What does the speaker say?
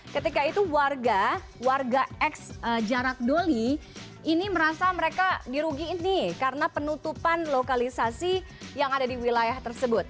ketika itu warga x jarak doli ini merasa mereka dirugi ini karena penutupan lokalisasi yang ada di wilayah tersebut